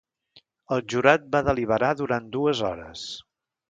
El jurat va deliberar durant dues hores.